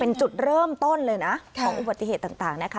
เป็นจุดเริ่มต้นเลยนะของอุบัติเหตุต่างนะคะ